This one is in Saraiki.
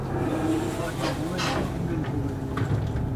گاجاں ہووِن، تے کِھمِّن ہووے،